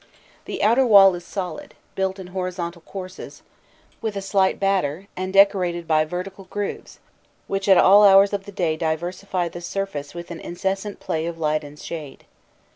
The outer wall is solid, built in horizontal courses, with a slight batter, and decorated by vertical grooves, which at all hours of the day diversify the surface with an incessant play of light and shade.